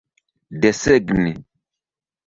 desegni